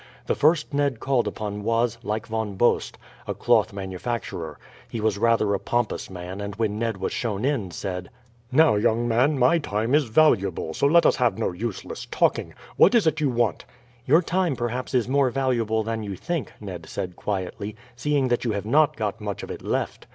The first Ned called upon was, like Von Bost, a cloth manufacturer. He was rather a pompous man, and when Ned was shown in said: "Now, young man, my time is valuable, so let us have no useless talking. What is it you want?" "Your time perhaps is more valuable than you think," Ned said quietly, "seeing that you have not got much of it left."